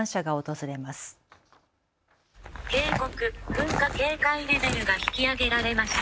噴火警戒レベルが引き上げられました。